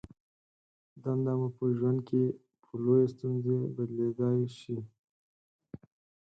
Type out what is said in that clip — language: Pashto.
دنده مو په ژوند کې په لویې ستونزه بدلېدای شي.